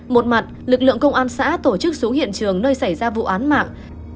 một mặt lực lượng công an xã tổ chức xuống hiện trường nơi xảy ra vụ án mạng